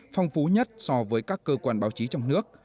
phong phú nhất so với các cơ quan báo chí trong nước